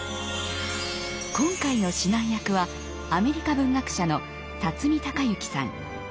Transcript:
今回の指南役はアメリカ文学者の孝之さん。